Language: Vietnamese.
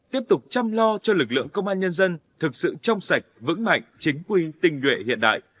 tiếp tục chăm lo cho lực lượng công an nhân dân thực sự trong sạch vững mạnh chính quy tình nguyện hiện đại